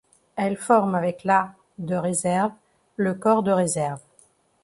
Elle forme avec la de réserve le corps de réserve.